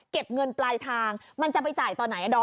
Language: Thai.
เก็บเงินปลายทางมันจะไปจ่ายตอนไหนดอม